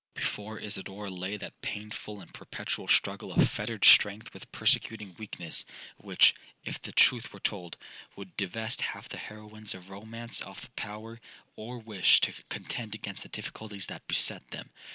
'Before Isidora lay that painful and perpetual struggle of fettered strength with persecuting weakness, which, if the truth were told, would divest half the heroines of romance of the power or wish to contend against the difficulties that beset them.